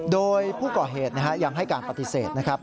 โดยผู้ก่อเหตุยังให้การปฏิเสธนะครับ